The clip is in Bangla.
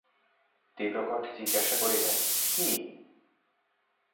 তীব্রকণ্ঠে জিজ্ঞাসা করিলেন, কী!